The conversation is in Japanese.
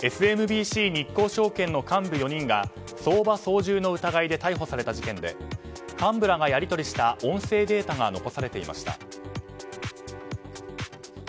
ＳＭＢＣ日興証券の幹部４人が相場操縦の疑いで逮捕された事件で幹部らがやり取りした音声データが残されていました。